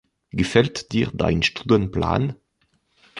Gefällt dir dein Stundenplan?